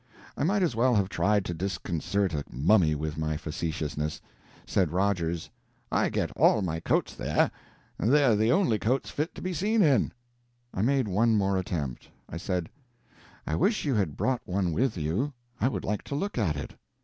I might as well have tried to disconcert a mummy with my facetiousness. Said Rogers: "I get all my coats there they're the only coats fit to be seen in." I made one more attempt. I said, "I wish you had brought one with you I would like to look at it."